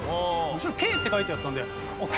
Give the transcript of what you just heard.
後ろに「Ｋ」って書いてあったんでケルビン。